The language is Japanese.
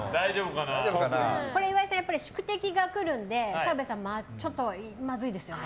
岩井さん、宿敵がくるんで澤部さんもちょっとまずいですよね。